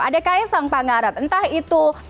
adakah yang sang panggara entah itu